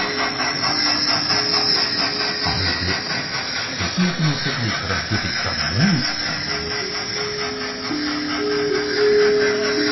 まるでＳＦの世界から出てきたモンスターのようです。